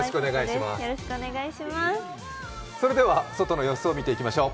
それでは外の様子を見ていきましょう。